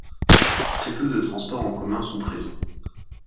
Très peu de transports en commun sont présents.